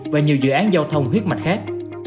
và nhiều dự án giao thông huyết mạch khác